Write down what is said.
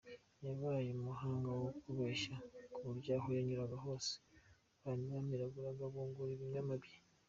Yabaye umuhanga wo kubeshya kuburyo aho yanyuraga hose, abantu bamiraguraga bunguri ibinyoma bye.